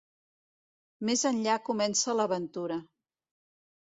Més enllà comença l'aventura.